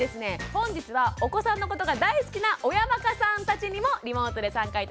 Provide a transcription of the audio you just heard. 本日はお子さんのことが大好きな親バカさんたちにもリモートで参加頂きます。